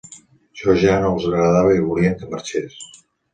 Jo ja no els agradava i volien que marxés.